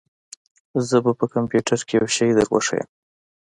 زه به په کمپيوټر کښې يو شى دروښييم.